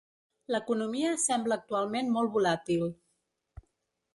L'economia sembla actualment molt volàtil.